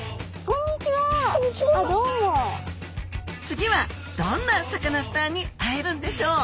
次はどんなサカナスターに会えるんでしょう